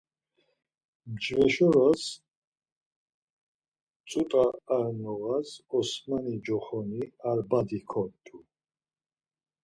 Mcveşoras ç̌ut̆a ar noğas Osmani coxoni ar badi kort̆u.